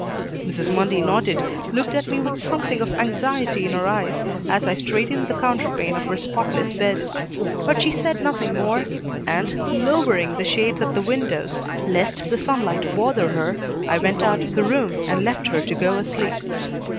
Mrs. Mundy nodded, looked at me with something of anxiety in her eyes as I straightened the counterpane of her spotless bed; but she said nothing more, and, lowering the shades at the windows lest the sunlight bother her, I went out of the room and left her to go asleep.